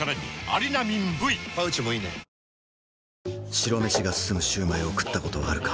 白飯が進むシュウマイを食ったことはあるか？